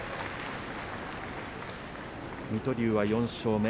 水戸龍は４勝目。